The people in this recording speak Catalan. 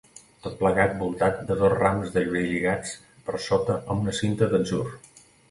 Tot plegat voltat de dos rams de llorer lligats per sota amb una cinta d'atzur.